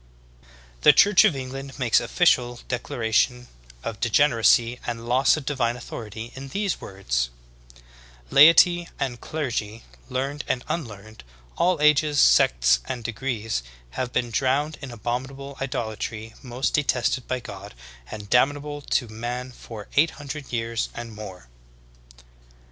"*' 29. The Church of England makes official declaration of degeneracy and loss of divine authority in these words : "Laity and clergy, learned and unlearned, all ages, sects, and degrees, have been drowned in abominable idolatry most de tested by God and damnable to man for eight hundred years and more."